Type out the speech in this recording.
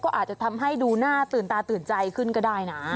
ก็อาจจะทำให้ดูหน้าตื่นตาตื่นใจขึ้นก็ได้นะ